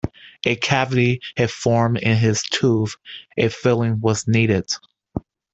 A cavity had formed in his tooth, a filling was needed.